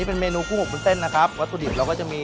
เอาดึงกลับมานะครับ